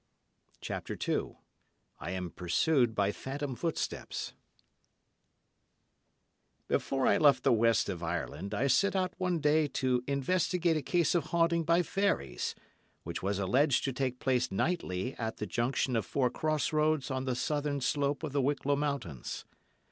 CHAPTER II I AM PURSUED BY PHANTOM FOOTSTEPS Before I left the west of Ireland, I set out one day to investigate a case of haunting by fairies, which was alleged to take place nightly at the junction of four cross roads on the southern slope of the Wicklow mountains.